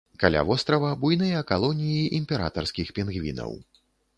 Каля вострава буйныя калоніі імператарскіх пінгвінаў.